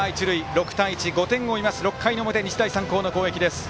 ６対１５点を追います、６回の表日大三高の攻撃です。